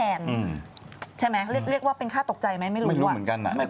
เอาแล้วเอาเอาเอา